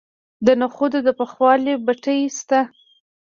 د نخودو د پخولو بټۍ شته.